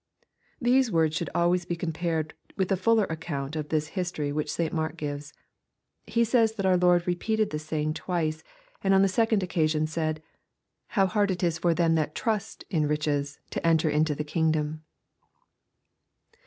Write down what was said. '] These words should always be compared with the fuller account of this history which St. Mark gives. He says that our Lord repeated this saying twice, and on the second occasion said, " How hard is it for them that trvM in riches to en ter into the kingdom."